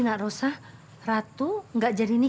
masih di sini